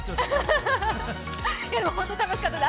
本当に楽しかったです。